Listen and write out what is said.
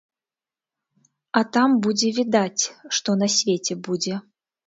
А там будзе відаць, што на свеце будзе.